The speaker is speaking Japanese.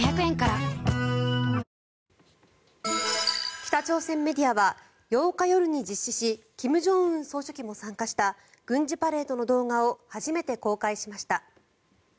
北朝鮮メディアは８日夜に実施し金正恩総書記も参加した軍事パレードの動画を初めて公開しました。